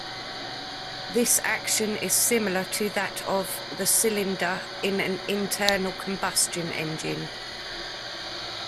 This action is similar to that of the cylinder in an internal combustion engine.